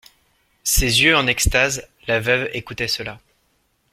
Ses yeux en extase, la veuve écoutait cela.